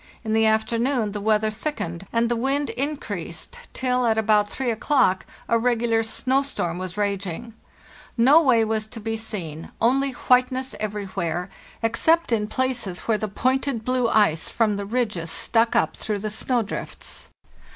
In the afternoon the 202 FARTHEST NORTH weather thickened, and the wind increased till, at about 3 o'clock, a regular snow storm was raging. No way was to be seen, only whiteness everywhere, except in places where the pointed blue ice from the ridges stuck up through the snow drifts.